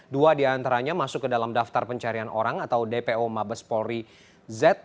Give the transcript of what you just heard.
dua diantaranya masuk ke dalam daftar pencarian orang atau dpo mabes polri z